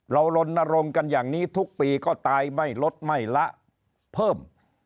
ลนรงค์กันอย่างนี้ทุกปีก็ตายไม่ลดไม่ละเพิ่ม